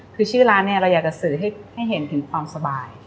คือชื่อร้านเนี่ยเราอยากจะสื่อให้เห็นถึงความสบาย